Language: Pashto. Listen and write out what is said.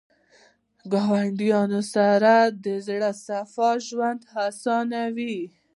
ګاونډي سره د زړه صفا ژوند اسانوي